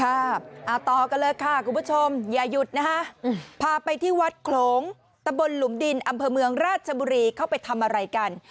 ต่อกันเลยค่ะคุณผู้ชมอย่าหยุดนะฮะพาไปที่วัดโขลงตะบนหลุมดินอำเภอเมืองราชบุรีเข้าไปทำอะไรกัน